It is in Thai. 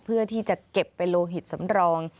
เพื่อที่จะเก็บไปโลหิตสำรอง